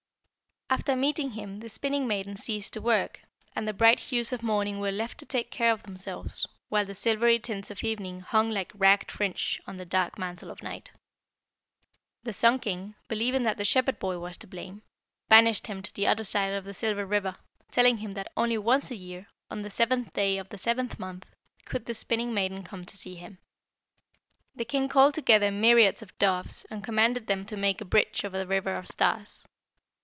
"After meeting him the Spinning maiden ceased to work, and the bright hues of morning were left to take care of themselves, while the silvery tints of evening hung like ragged fringe on the dark mantle of night. The Sun king, believing that the Shepherd boy was to blame, banished him to the other side of the Silver River, telling him that only once a year, on the seventh day of the seventh month, could the Spinning maiden come to see him. "The king called together myriads of doves and commanded them to make a bridge over the river of stars.